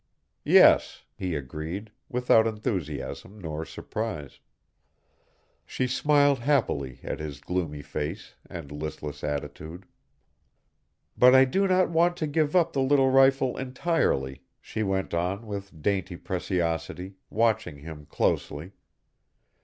"Yes," he agreed, without enthusiasm nor surprise. She smiled happily at his gloomy face and listless attitude. "But I do not want to give up the little rifle entirely," she went on, with dainty preciosity, watching him closely.